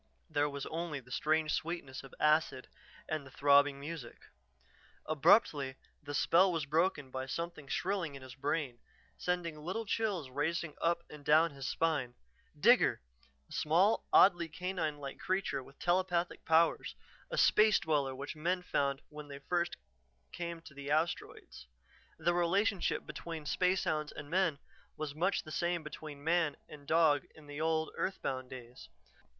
There was only the strange sweetness of acid and the throbbing music. Abruptly the spell was broken by something shrilling in his brain, sending little chills racing up and down his spine. Digger! A small, oddly canine like creature with telepathic powers, a space dweller which men found when first they came to the asteroids. The relationship between spacehounds and men was much the same as between man and dog in the old, earthbound days.